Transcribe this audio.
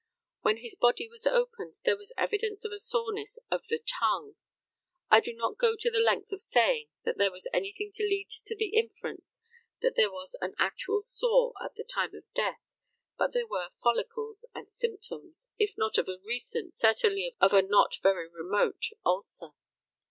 When his body was opened there was evidence of a soreness of the tongue. I do not go to the length of saying that there was anything to lead to the inference that there was an actual sore at the time of death, but there were follicles and symptoms, if not of a recent, certainly of a not very remote ulcer.